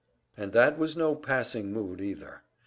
And that was no passing mood either.